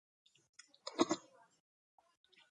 სამშობლოში დაბრუნების შემდეგ მიენიჭა კაპიტნის წოდება.